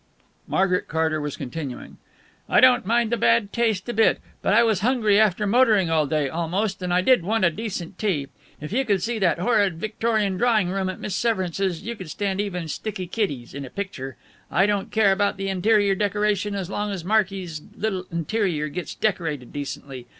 Margaret Carter was continuing: "I don't mind the bad taste a bit, but I was hungry after motoring all day, almost, and I did want a decent tea. If you could see that horrid Victorian drawing room at Miss Severance's you could stand even sticky kitties in a picture. I don't care about the interior decoration as long as Marky's little interior gets decorated decently.